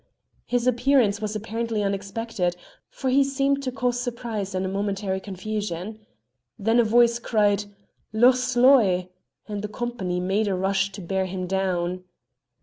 His appearance was apparently unexpected, for he seemed to cause surprise and a momentary confusion. Then a voice cried "Loch Sloy!" and the company made a rush to bear him down.